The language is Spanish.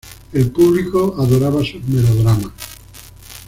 El público adoraba sus melodramas.